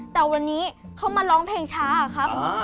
แต่วันนี้เขามาร้องเพลงช้าครับ